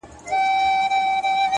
هره ناکامي د بیا هڅې پیغام دی